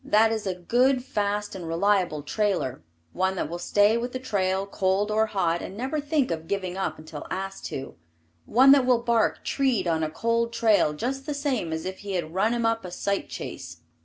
That is a good, fast and reliable trailer, one that will stay with the trail, cold or hot, and never think of giving up until asked to. One that will bark treed on a cold trail just the same as if he had run him up a sight chase.